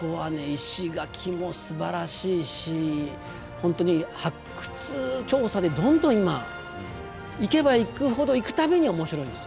石垣もすばらしいし本当に発掘調査でどんどん今行けば行くほど行く度に面白いんです。